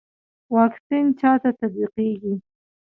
واکسین چا ته تطبیقیږي؟